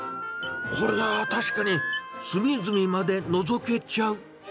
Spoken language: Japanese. こりゃ確かに、隅々までのぞけちゃう。